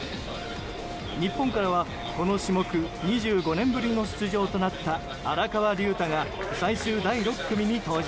日本からは、この種目２５年ぶりの出場となった荒川龍太が最終第６組に登場。